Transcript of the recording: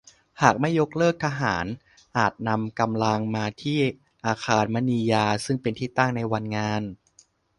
หากไม่ยกเลิกทหารอาจนำกำลังมาที่อาคารมณียาซึ่งเป็นที่ตั้งในวันงาน